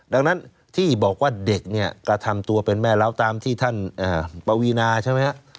ดังนั้นที่บอกว่าเด็กเนี่ยกระทำตัวเป็นแม่เล้าตามที่ท่านปวีนาใช่ไหมฮะ